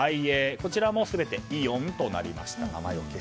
こちらも全てイオンとなりました。